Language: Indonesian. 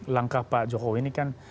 langkah pak jokowi ini kan